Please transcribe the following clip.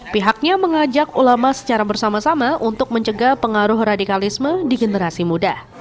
pihaknya mengajak ulama secara bersama sama untuk mencegah pengaruh radikalisme di generasi muda